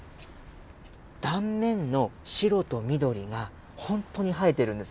断面の白と緑が、本当に映えてるんです。